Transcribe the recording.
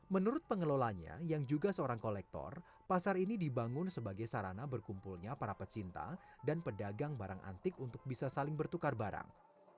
menurut pengelolanya yang juga seorang kolektor pasar ini dibangun sebagai sarana berkumpulnya para pecinta dan pedagang barang antik untuk bisa saling bertukar barang